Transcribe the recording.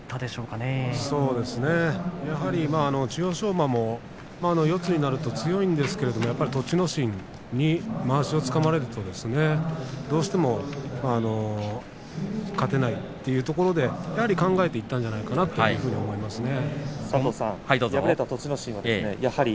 馬も四つになると強いんですけれど栃ノ心にまわしをつかまれるとどうしても勝てないというところでやはり考えていったんじゃないかなというふうに思いますね。